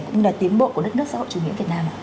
cũng như là tiến bộ của đất nước xã hội chủ nghĩa việt nam